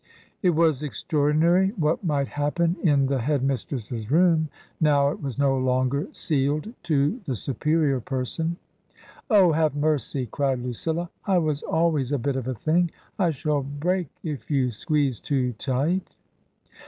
It was extraordinary what might happen in the Head mistress's room now it was no longer sealed to the Supe rior Person. " Oh, have mercy !" cried Lucilla ;" I was always a bit of a thing. I shall break if you squeeze too tight."